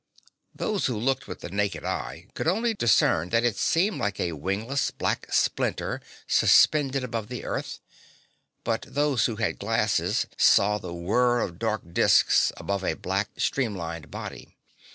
Those who looked with the naked eye could only discern that it seemed like a wingless black splinter suspended above the earth, but those who had glasses saw the whir of dark disks above a black, stream lined body.